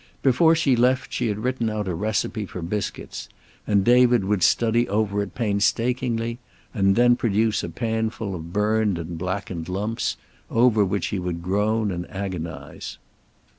Before she left she had written out a recipe for biscuits, and David would study over it painstakingly, and then produce a panfull of burned and blackened lumps, over which he would groan and agonize.